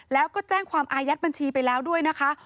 แล้วก็แจ้งความอายัดบัญชีไปแล้วด้วยนะคะ